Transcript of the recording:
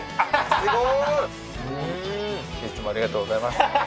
すごい！いつもありがとうございます。